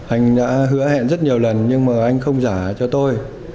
anh đã hứa hẹn rất nhiều lần nhưng mà anh không giả cho tôi